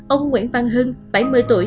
ông nguyễn văn hưng bảy mươi tuổi